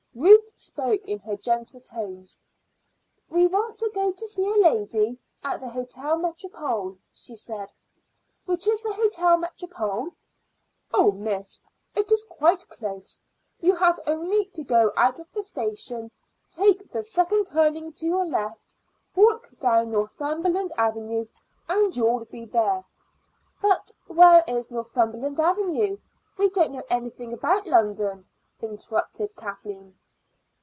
Ruth spoke in her gentle tones. "We want to go to see a lady at the Hôtel Métropole," she said. "Which is the Hôtel Métropole?" "Oh, miss, it is quite close. You have only to go out of the station, take the second turning to your left, walk down Northumberland Avenue, and you'll be there." "But where is Northumberland Avenue? We don't know anything about London," interrupted Kathleen.